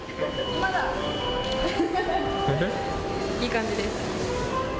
いい感じです。